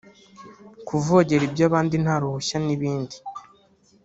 kuvogera iby’abandi nta ruhushya n’ibindi